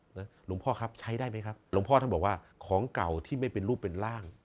หลวงพ่อครับใช้ได้ไหมครับหลวงพ่อท่านบอกว่าของเก่าที่ไม่เป็นรูปเป็นร่าง